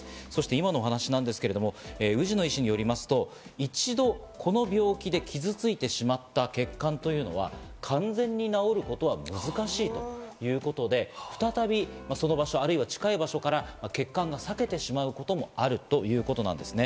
今のお話なんですけど、氏野医師によりますと、一度この病気で傷ついてしまった血管というのは、完全に治ることは難しいということで、再びその場所、或いは近い場所から血管が裂けてしまうこともあるということなんですね。